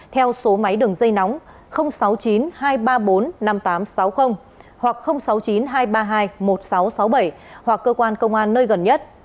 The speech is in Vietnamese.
theo số máy đường dây nóng sáu mươi chín hai trăm ba mươi bốn năm nghìn tám trăm sáu mươi hoặc sáu mươi chín hai trăm ba mươi hai một nghìn sáu trăm sáu mươi bảy hoặc cơ quan công an nơi gần nhất